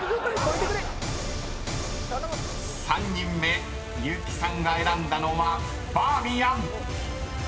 ［３人目結木さんが選んだのはバーミヤン］